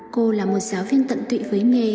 cô là một giáo viên tận tụy với nghề